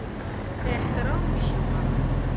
احترام وشي.